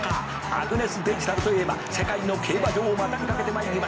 「アグネスデジタルといえば世界の競馬場を股に掛けてまいりました